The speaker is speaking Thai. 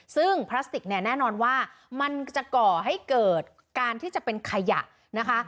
ซึ่งพลาสติกเนี่ยแน่นอนว่ามันจะก่อให้เกิดการที่จะเป็นขยะนะคะ